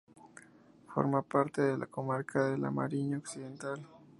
Forma parte de la comarca de la Mariña Occidental.